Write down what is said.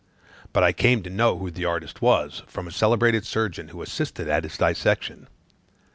But I came to know who the artist was, from a celebrated surgeon, who assisted at his dissection.